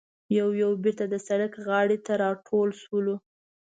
یو یو بېرته د سړک غاړې ته راټول شولو.